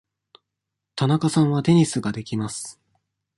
田中さんはテニスができます。